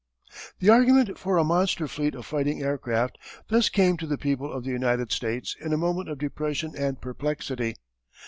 The argument for a monster fleet of fighting aircraft, thus came to the people of the United States in a moment of depression and perplexity.